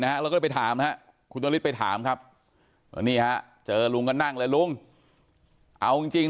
นะแล้วก็ไปถามนะคุณไปถามครับนี่เจอลุงก็นั่งเลยลุงเอาจริง